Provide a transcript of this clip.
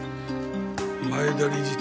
前田理事長